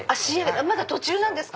まだ途中なんですか！